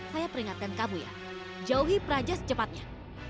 saya peringatkan kamu ya jauhi praja secepatnya